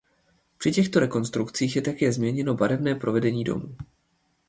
Při těchto rekonstrukcích je také změněno barevné provedení domů.